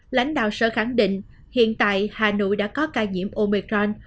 lãnh đạo sở khẳng định hiện tại hà nội đã có ca nhiễm omecron